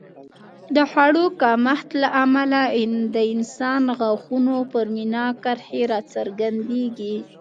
د خوړو کمښت له امله د انسان غاښونو پر مینا کرښې راڅرګندېږي